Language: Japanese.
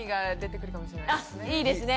あいいですね。